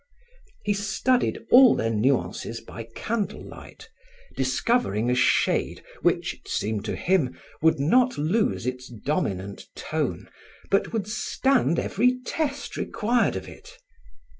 He studied all their nuances by candlelight, discovering a shade which, it seemed to him, would not lose its dominant tone, but would stand every test required of it.